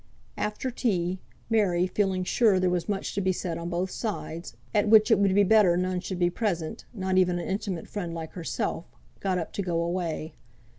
After tea, Mary, feeling sure there was much to be said on both sides, at which it would be better no one should be present, not even an intimate friend like herself, got up to go away.